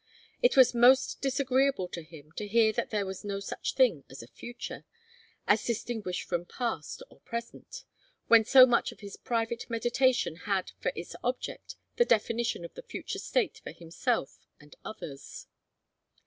It was most disagreeable to him to hear that there was no such thing as a future, as distinguished from past or present, when so much of his private meditation had for its object the definition of the future state for himself and others.